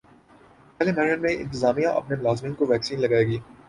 پہلے مرحلے میں انتظامیہ اپنے ملازمین کو ویکسین لگائے گی